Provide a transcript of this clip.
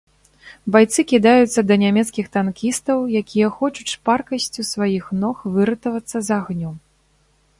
Байцы кідаюцца да нямецкіх танкістаў, якія хочуць шпаркасцю сваіх ног выратавацца з агню.